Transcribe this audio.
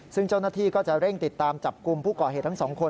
ซึ่งเจ้าหน้าที่ก็จะเร่งติดตามจับกลุ่มผู้ก่อเหตุทั้งสองคน